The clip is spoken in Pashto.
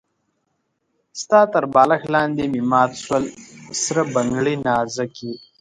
ستا تر بالښت لاندې مي مات سول سره بنګړي نازکي